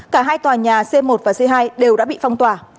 cả hai tòa nhà c một và c hai đều đã bị phong tỏa